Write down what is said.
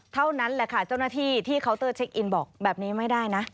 เท่านั้นแหละค่ะเจ้าหน้าที่ที่เคาน์เตอร์เช็คอินบอกแบบนี้ไม่ได้นะ